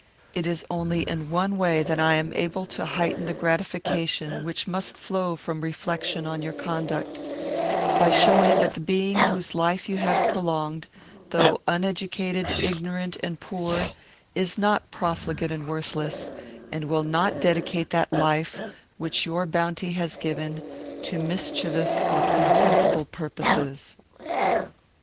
It is only in one way that I am able to heighten the gratification which must flow from reflection on your conduct: by showing that the being whose life you have prolonged, though uneducated, ignorant, and poor, is not profligate and worthless, and will not dedicate that life which your bounty has given, to mischievous or contemptible purposes.